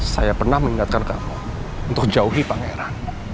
saya pernah mengingatkan kamu untuk jauhi pangeran